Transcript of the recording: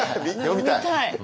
読みたい！